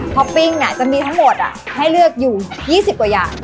ปิ้งจะมีทั้งหมดให้เลือกอยู่๒๐กว่าอย่าง